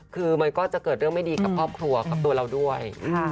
คือมันก็จะเกิดเรื่องไม่ดีกับครอบครัวกับตัวเราด้วย